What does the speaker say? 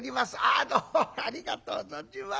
あどうもありがとう存じます。